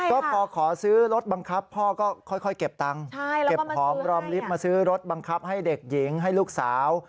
ก็พอขอซื้อรถบังคับพ่อก็ค่อยเก็บตังค์เก็บหอมรอมลิฟต์มาซื้อรถบังคับให้เด็กหญิงให้ลูกสาว